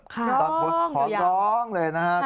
ขอร้องเลยนะครับ